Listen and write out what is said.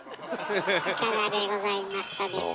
いかがでございましたでしょうか。